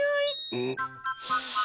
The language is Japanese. うん。